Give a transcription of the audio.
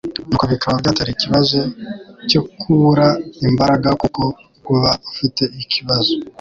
nuko bikaba byatera ikibazo cyo kubura imbaraga kuko uba ufite ikibazo